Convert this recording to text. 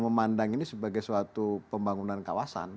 memandang ini sebagai suatu pembangunan kawasan